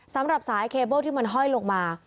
สำหรับสายเคเบิ้ลที่มันห้อยลงมา